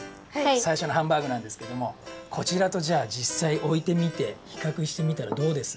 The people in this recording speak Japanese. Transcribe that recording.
さいしょのハンバーグなんですけどもこちらとじゃあじっさいおいてみてひかくしてみたらどうです？